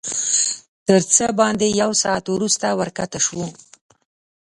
تر څه باندې یو ساعت وروسته ورښکته شوو.